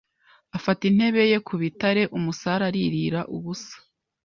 Afata intebe ye ku bitare umusare aririra ubusa